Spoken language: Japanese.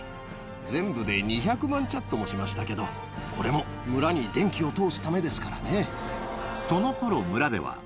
全部で２００万チャットもしましたけど、これも村に電気を通すたそのころ、村では。